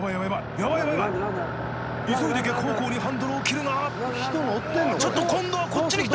ヤバい急いで逆方向にハンドルを切るがうおちょっと今度はこっちに来た！